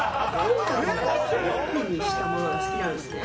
ぷにぷにしたものが好きなんですね。